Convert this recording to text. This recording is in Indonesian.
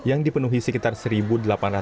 yang dipenuhi sekitar seribu delapan ratus orang